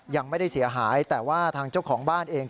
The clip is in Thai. ยังไม่ได้เสียหายแต่ว่าทางเจ้าของบ้านเอง